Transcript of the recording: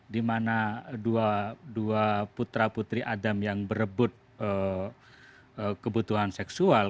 dimana dua putra putri adam yang berebut kebutuhan seksual